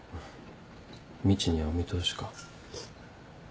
みちにはお見通しか。